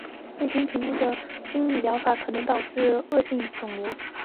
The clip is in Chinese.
未经评估过的经验疗法可能导致忽略恶性肿瘤。